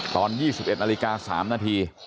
ตอน๒๑น๓น